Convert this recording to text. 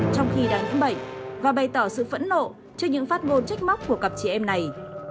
trong khi đang nhiễm bệnh và bày tỏ sự phẫn nộ trước những phát ngôn trách móc của cặp chị em này